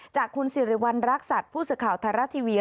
จากคุณสิริวัณรักษัตริย์ผู้สื่อข่าวไทยรัฐทีวี